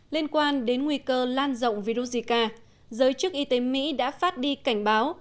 liên quan đến nguy cơ lan rộng virus zika giới chức y tế mỹ đã phát đi cảnh báo